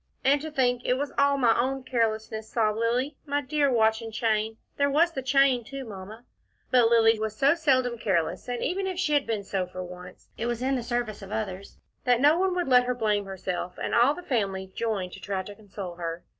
"And to think it was all my own carelessness," sobbed Lilly. "My dear watch and chain there was the chain too, Mamma." But Lilly was so seldom careless, and even if she had been so for once, it was in the service of others, that no one would let her blame herself, and all the family joined to try to console her.